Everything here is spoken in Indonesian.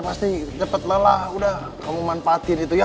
pasti cepat lelah udah kamu manfaatin itu ya